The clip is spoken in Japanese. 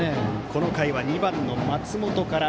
この回は２番の松本から。